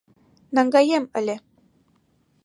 Наҥгаем ыле!